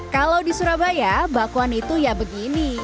kalau di surabaya bakwan itu ya begini